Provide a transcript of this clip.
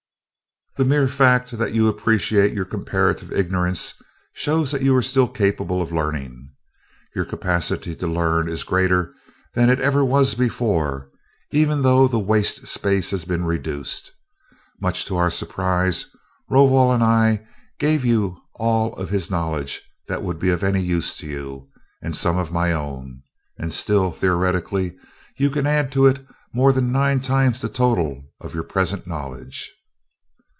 "The mere fact that you appreciate your comparative ignorance shows that you are still capable of learning. Your capacity to learn is greater than it ever was before, even though the waste space has been reduced. Much to our surprise, Rovol and I gave you all of his knowledge that would be of any use to you, and some of my own, and still theoretically you can add to it more than nine times the total of your present knowledge."